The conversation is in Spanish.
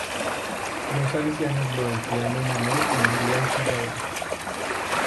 Los Salesianos lo emplean en honor a María Auxiliadora.